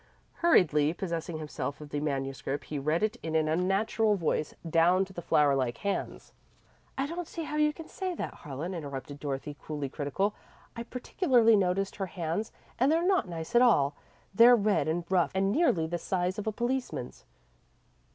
Hurriedly possessing himself of the manuscript, he read it in an unnatural voice, down to the flower like hands. "I don't see how you can say that, Harlan," interrupted Dorothy, coolly critical; "I particularly noticed her hands and they're not nice at all. They're red and rough and nearly the size of a policeman's."